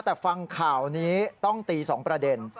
แต่ฟังข่าวนี้ต้องตี๒ประเด็น